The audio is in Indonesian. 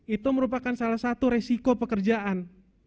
itu merupakan salah satu resiko pekerjaan